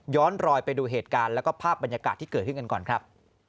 รอยไปดูเหตุการณ์แล้วก็ภาพบรรยากาศที่เกิดขึ้นกันก่อนครับ